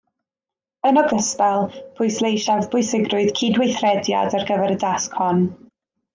Yn ogystal, pwysleisiaf bwysigrwydd cydweithrediad ar gyfer y dasg hon